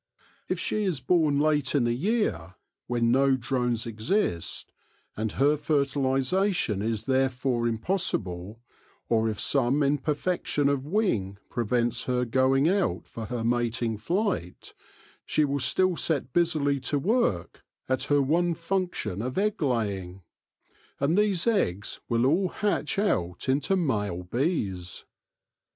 If she is born late in the year, when no drones exist, and her fertilisation is therefore impos sible, or if some imperfection of wing prevents her going out for her mating flight, she will still set busily to work at her one function of egg laying ; and these eggs will all hatch out into male bees.